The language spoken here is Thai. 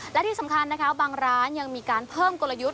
และที่สำคัญนะคะบางร้านยังมีการเพิ่มกลยุทธ์